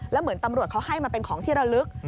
แล้วเหมือนตำรวจเขาให้มาเป็นของที่ระลึก